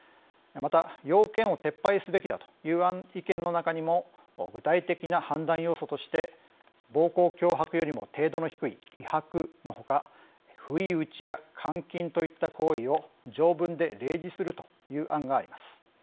また、要件を撤廃すべきだという意見の中にも具体的な判断要素として暴行・脅迫よりも程度の低い威迫のほか不意打ちや監禁といった行為を条文で例示するという案があります。